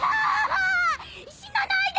死なないで！